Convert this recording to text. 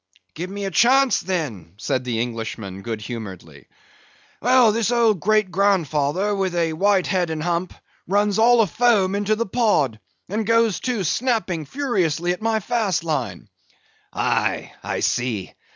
"Give me a chance, then," said the Englishman, good humoredly. "Well, this old great grandfather, with the white head and hump, runs all afoam into the pod, and goes to snapping furiously at my fast line! "Aye, I see!